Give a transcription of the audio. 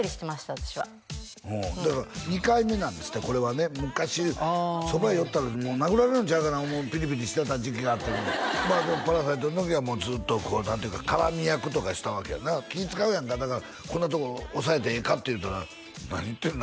私はうんだから２回目なんですってこれはね昔そばへ寄ったらもう殴られるんちゃうかなピリピリしてた時期があったとでも「パラサイト」の時はもうずっと何ていうか絡み役とかしたわけやな気い使うやんかだからこんなところ押さえてええか？って言うたら何言ってんの？